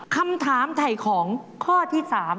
คำถามไถ่ของข้อที่๓